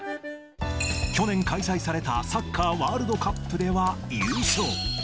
去年開催されたサッカーワールドカップでは優勝。